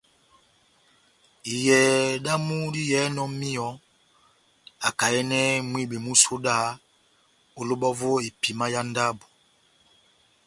Iyɛhɛ damu diyɛhɛnɔ míyɔ akayɛnɛ mwibi músodaha ó lóba vó epima yá ndabo.